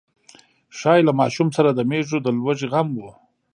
ښايي له ماشوم سره د مېږو د لوږې غم و.